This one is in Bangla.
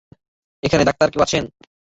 এখানে ডাক্তার কেউ আছেন?